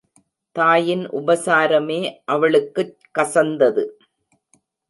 தாயின் உபசாரமே அவளுக்குக் கசந்தது.